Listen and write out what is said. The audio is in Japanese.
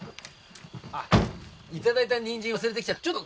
あっいただいたニンジン忘れてきちゃった。